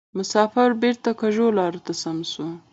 مسافر بیرته کږو لارو ته سم سو